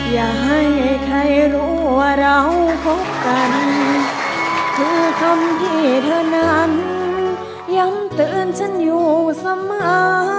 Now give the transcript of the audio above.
อย่าให้ใครรู้ว่าเราคบกันคือคำที่เธอนั้นยังเตือนฉันอยู่เสมอ